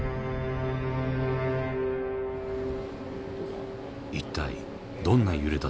一体どんな揺れだったのか。